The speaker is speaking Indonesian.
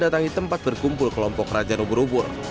datangi tempat berkumpul kelompok raja ubur ubur